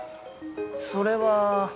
それは。